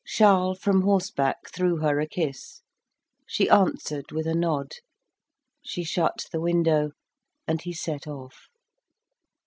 Charles from horseback threw her a kiss; she answered with a nod; she shut the window, and he set off.